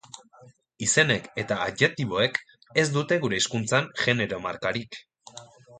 Izenek eta adjektiboek eta ez dute gure hizkuntzan genero markarik.